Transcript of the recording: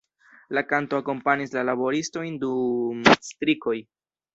La kanto akompanis la laboristojn dum strikoj.